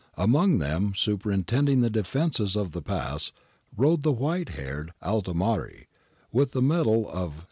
Among them, superintending the defences of the pass, rode the white haired Altimare, with the medal of S.